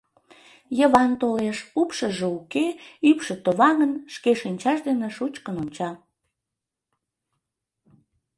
Йыван толеш, упшыжо уке, ӱпшӧ товаҥын, шке шинчаж дене шучкын онча.